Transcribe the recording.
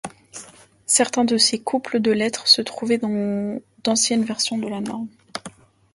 Certains de ces couples de lettres se trouvaient dans d'anciennes versions de la norme.